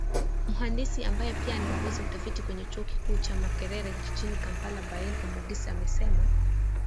Mhandisi ambaye pia anaongoza utafiti kwenye chuo kikuu cha Makerere jijini Kampala Bain Omugisa amesema